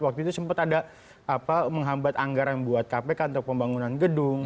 waktu itu sempat ada menghambat anggaran buat kpk untuk pembangunan gedung